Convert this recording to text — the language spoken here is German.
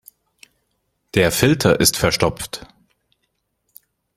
Der Filter ist verstopft.